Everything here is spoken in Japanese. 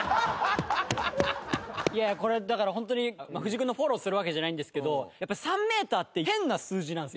いやこれだからホントに藤井君のフォローするわけじゃないんですけどやっぱ３メーターって変な数字なんです。